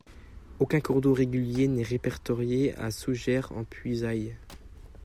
Aucun cours d'eau régulier n'est répertorié à Sougères-en-Puisaye.